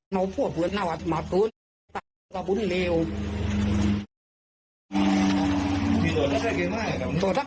ก็ก็จะต้องนำตัวส่งโรงพยาบาลนะฮะครับ